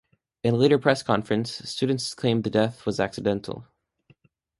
In a later press conference, students claimed the death was accidental.